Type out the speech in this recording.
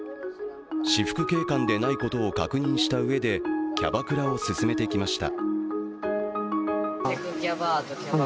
私服警官でないことを確認したうえでキャバクラを勧めてきました。